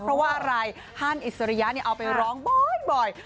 เพราะว่ารายฮ่านอิสริยะเนี่ยเอาไปร้องบ่อย